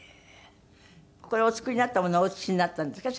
これお作りになったものをお写しになったんですか？